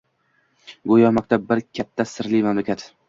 Go‘yo maktab bir katta, sirli mamlakat.